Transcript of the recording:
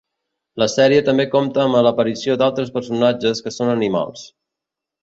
La sèrie també compta amb l'aparició d'altres personatges que són animals.